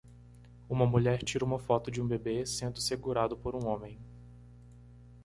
Uma mulher tira uma foto de um bebê sendo segurado por um homem.